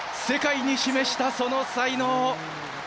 世界に示したその才能。